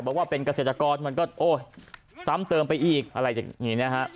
บอกว่าเป็นเกษตรกรมันก็โอ้ยซ้ำเติมไปอีกอะไรอย่างนี้นะฮะ